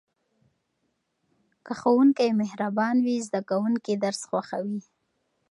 که ښوونکی مهربان وي زده کوونکي درس خوښوي.